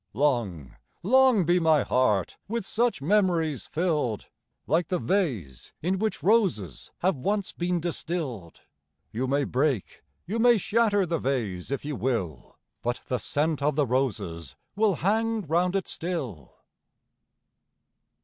Long, long be my heart with such memories fill'd ! Like the vase, in which roses have once been distill'd — You may break, you may shatter the vase if you will, But the scent of the roses will hang round it still.